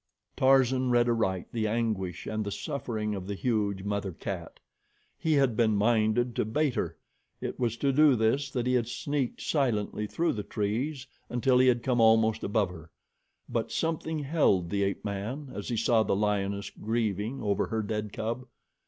Tarzan read aright the anguish and the suffering of the huge mother cat. He had been minded to bait her. It was to do this that he had sneaked silently through the trees until he had come almost above her, but something held the ape man as he saw the lioness grieving over her dead cub.